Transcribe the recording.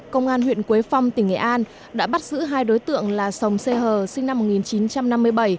công an huyện quế phong tỉnh nghệ an đã bắt giữ hai đối tượng là sồng sê hờ sinh năm một nghìn chín trăm năm mươi bảy